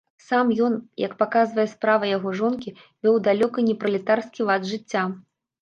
Сам ён, як паказвае справа яго жонкі, вёў далёка не пралетарскі лад жыцця.